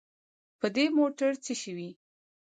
په دې موټر څه شوي.